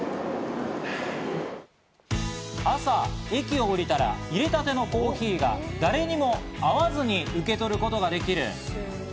朝、駅を降りたら入れたてのコーヒーが誰にも会わずに受け取ることができる。